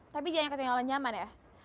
tapi jangan ketinggalan nyaman ya